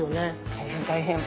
大変大変。